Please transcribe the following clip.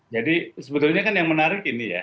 jadi sebetulnya kan yang menarik ini ya